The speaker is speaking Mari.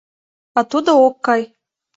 А тудо ок кай!